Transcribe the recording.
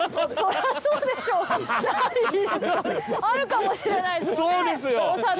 あるかもしれないですよね